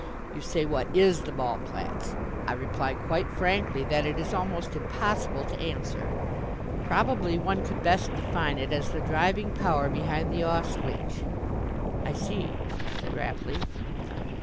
You say what is the Ballplatz? I reply quite frankly that it is almost impossible to answer. Probably one could best define it as the driving power behind the Ausgleich." "I see," said Rapley.